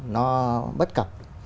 nó bất cập